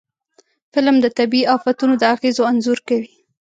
فلم د طبعي آفتونو د اغېزو انځور کوي